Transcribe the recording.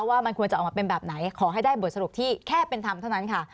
ว่ามันควรจะออกมาเป็นแบบไหนขอให้ได้บทสรุปที่แค่เป็นธรรมเท่านั้นค่ะ